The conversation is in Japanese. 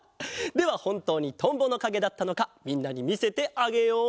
ではほんとうにトンボのかげだったのかみんなにみせてあげよう！